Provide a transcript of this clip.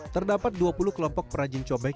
terdapat dua puluh kelompok perajin cobek